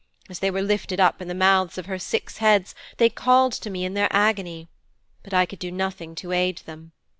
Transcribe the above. As they were lifted up in the mouths of her six heads they called to me in their agony. 'But I could do nothing to aid them.